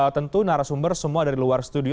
tentu narasumber semua dari luar studio